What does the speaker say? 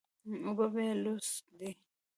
اوبه بېلوث دي.